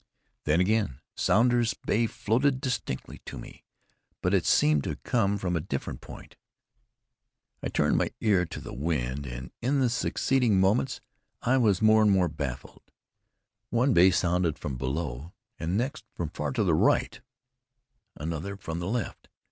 Then again Sounder's bay floated distinctly to me, but it seemed to come from a different point. I turned my ear to the wind, and in the succeeding moments I was more and more baffled. One bay sounded from below and next from far to the right; another from the left.